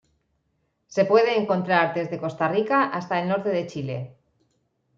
Se puede encontrar desde Costa Rica hasta el norte de Chile.